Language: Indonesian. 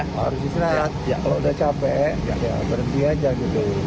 harus istirahat kalau sudah capek berhenti saja dulu